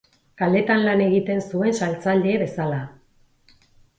Kaletan lan egiten zuen saltzaile bezala.